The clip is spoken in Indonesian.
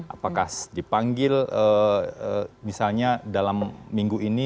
apakah dipanggil misalnya dalam minggu ini